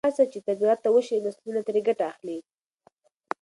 هره هڅه چې طبیعت ته وشي، نسلونه ترې ګټه اخلي.